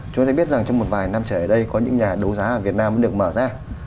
chúng ta biết rằng trong một vài năm trở lại đây có những nhà đấu giá ở việt nam được mở ra